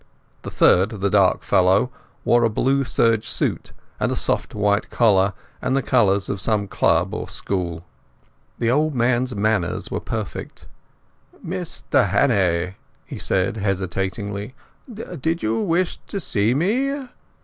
The third, the dark fellow, wore a blue serge suit and a soft white collar, and the colours of some club or school. The old man's manner was perfect. "Mr Hannay?" he said hesitatingly. "Did you wish to see me?